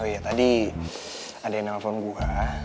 oh ya tadi ada yang nelfon gue